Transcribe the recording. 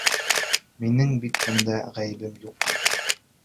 Минең бит бында ғәйебем юҡ.